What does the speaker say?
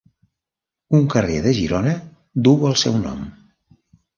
Un carrer de Girona duu el seu nom.